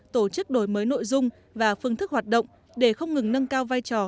tổ chức đổi mới nội dung và phương thức hoạt động để không ngừng nâng cao vai trò